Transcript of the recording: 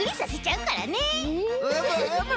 うむうむ。